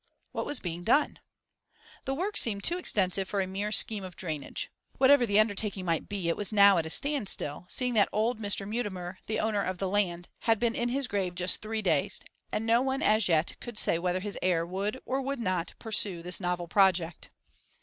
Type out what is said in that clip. What was being done? The work seemed too extensive for a mere scheme of drainage. Whatever the undertaking might be, it was now at a standstill, seeing that old Mr. Mutimer, the owner of the land, had been in his grave just three days, and no one as yet could say whether his heir would or would not pursue this novel project.